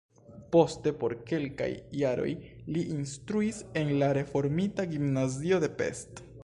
Poste por kelkaj jaroj li instruis en la reformita gimnazio de Pest.